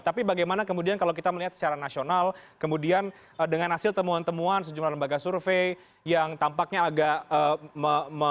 tapi bagaimana kemudian kalau kita melihat secara nasional kemudian dengan hasil temuan temuan sejumlah lembaga survei yang tampaknya agak berbeda